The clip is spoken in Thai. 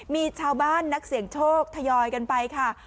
มีชาวบ้านนักเสี่ยงโชคทยอยกันไปค่ะ